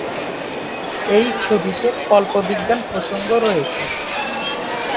এই ছবিতে কল্পবিজ্ঞান প্রসঙ্গ রয়েছে।